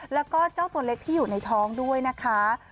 แล้วก็เจ้าตัวเล็กที่อยู่ในท้องด้วยนะคะ